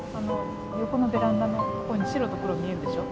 横のベランダのとこに白と黒見えるでしょ？